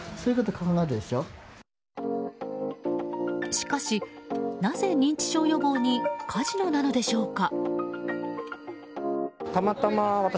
しかし、なぜ認知症予防にカジノなのでしょうか。